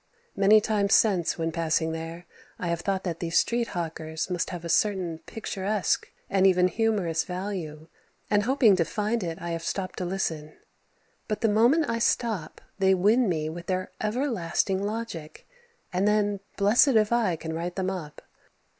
Many times since when passing there I have thought that those street hawkers must have a certain picturesque and even humorous value, and hoping to find it I have stopped to listen. But the moment I stop they win me with their everlasting logic, and then blessed if I can write them up.